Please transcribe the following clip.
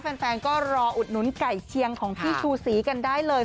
แฟนก็รออุดหนุนไก่เชียงของพี่ชูสีกันได้เลย